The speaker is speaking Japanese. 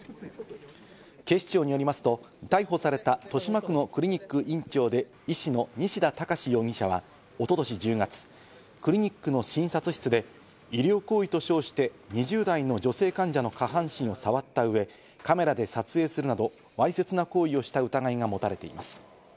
警視庁によりますと、逮捕された豊島区のクリニック院長で医師の西田隆容疑者は一昨年１０月、クリニックの診察室で医療行為と称して、２０代の女性患者の下半身を触った上、カメラで撮影するなど、わいせつな行為をした疑いが持たれています。